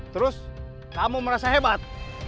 terus kamu merasa hebat